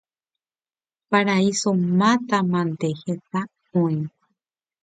paraíso mátamante heta oĩ